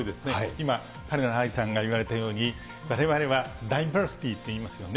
今、はるな愛さんが言われたように、われわれはダイバーシティといいますよね。